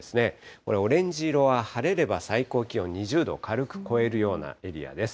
これ、オレンジ色は晴れれば、最高気温２０度を軽く超えるようなエリアです。